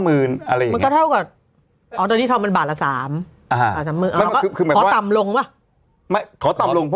มันก็เท่ากับอ๋อตอนนี้ทองมันบาทละ๓๐๐บาทขอต่ำลงป่ะ